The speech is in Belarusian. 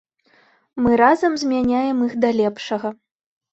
Мы разам змяняем іх да лепшага!